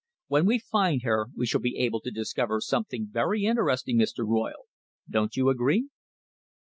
When we find her, we shall be able to discover something very interesting, Mr. Royle. Don't you agree?"